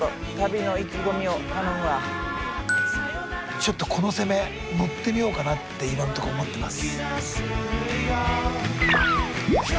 ちょっとこの攻め乗ってみようかなって今のところ思ってます。